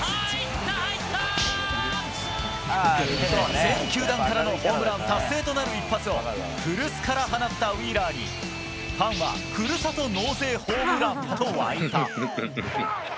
全球団からのホームラン達成となる一発を古巣から放ったウィーラーにファンはふるさと納税ホームランと沸いた。